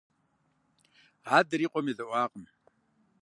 Адэр и къуэм едэӏуакъым.